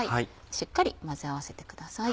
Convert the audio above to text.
しっかり混ぜ合わせてください。